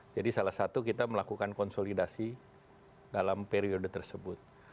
jadi salah satu kita melakukan konsolidasi dalam periode tersebut